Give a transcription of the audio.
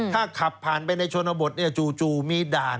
ถ้าขับผ่านไปในชนบทจู่มีด่าน